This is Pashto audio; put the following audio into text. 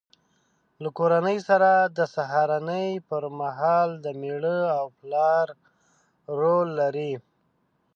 له کورنۍ سره د سهارنۍ پر مهال د مېړه او پلار رول لري.